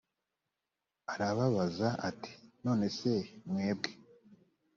arababaza ati none se mwebwe